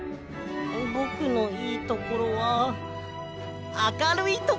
ぼくのいいところはあかるいところです！